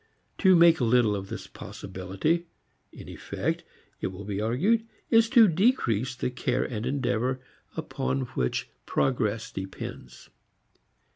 To make little of this possibility, in effect, it will be argued, is to decrease the care and endeavor upon which progress depends.